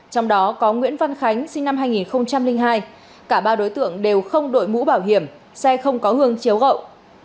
trong đó có nguyễn văn khánh sinh năm hai nghìn hai cả ba đối tượng đều không đội mũ bảo hiểm xe không có hương chiếu gậu